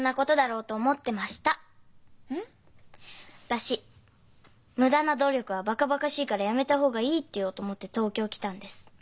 私「無駄な努力はバカバカしいからやめた方がいい」って言おうと思って東京来たんです。